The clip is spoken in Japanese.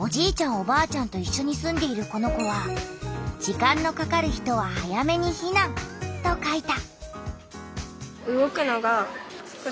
おばあちゃんといっしょに住んでいるこの子は「時間のかかる人は早めにひなん」と書いた。